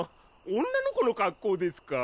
女の子のかっこうですか？